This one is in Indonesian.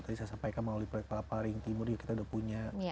tadi saya sampaikan oleh pelajar valapaling timur kita udah punya